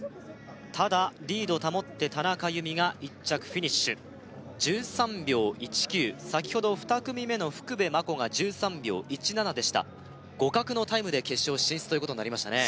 ただリードを保って田中佑美が１着フィニッシュ１３秒１９先ほど２組目の福部真子が１３秒１７でした互角のタイムで決勝進出ということになりましたね